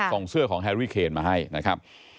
ส่งเสื้อของแฮรี่เคนมาให้นะครับ